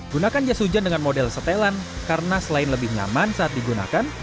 gunakan jas hujan dengan model setelan karena selain lebih nyaman saat digunakan